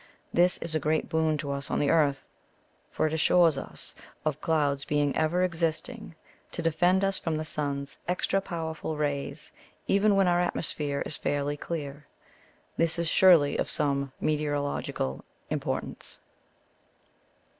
This is a great boon to us on the earth; for it assures us of clouds being ever existing to defend us from the sun's extra powerful rays, even when our atmosphere is fairly clear. This is surely of some meteorological importance.